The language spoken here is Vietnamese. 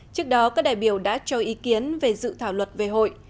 trước đó các đại biểu đã cho ý kiến về dự thảo luật về hội